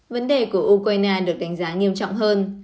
vấn đề của ukraine được đánh giá nghiêm trọng hơn